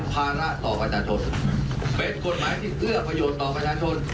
กฎหมายที่เกือบประโยชน์ต่อประชาชน